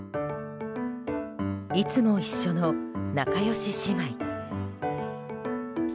いつも一緒の仲良し姉妹。